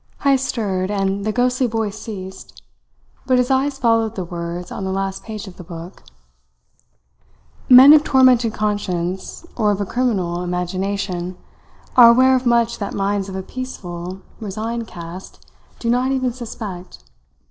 Heyst stirred, and the ghostly voice ceased; but his eyes followed the words on the last page of the book: Men of tormented conscience, or of a criminal imagination, are aware of much that minds of a peaceful, resigned cast do not even suspect.